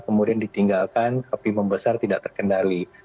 kemudian ditinggalkan api membesar tidak terkendali